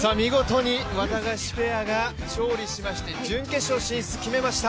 見事にワタガシペアが勝利しまして、準決勝進出決めました。